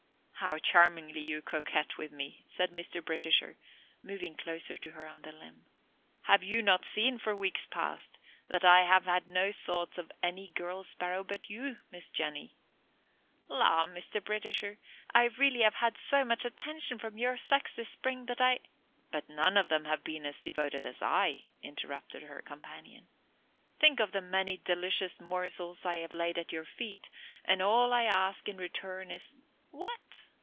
"How charmingly you coquette with me," said Mr. Britisher, moving closer to her on the limb. "Have you not seen for weeks past that I have had no thoughts for any girl sparrow but you, Miss Jenny?" "La, Mr. Britisher, I really have had so much attention from your sex this spring that I " "But none of them have been so devoted as I," interrupted her companion. "Think of the many delicious morsels I have laid at your feet, and all I ask in return is " "What?"